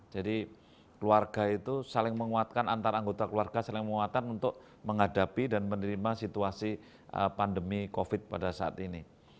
jadi keluarga itu saling menguatkan antara anggota keluarga saling menguatkan untuk menghadapi dan menerima situasi pandemi covid pada saat ini